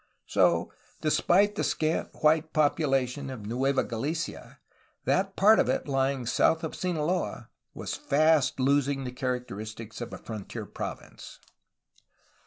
So, despite the scant white population of Nueva Galicia, that part of it lying south of Sinaloa was fast losing the characteristics of a frontier province.